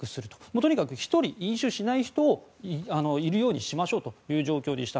とにかく１人、飲酒しない人がいるようにしましょうとしたということです。